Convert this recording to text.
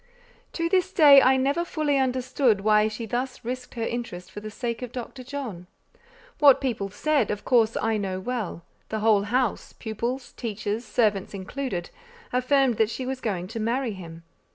To this day I never fully understood why she thus risked her interest for the sake of Dr. John. What people said, of course I know well: the whole house—pupils, teachers, servants included—affirmed that she was going to marry him.